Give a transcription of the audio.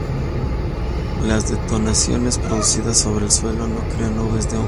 Las detonaciones producidas sobre el suelo no crean nubes de hongo.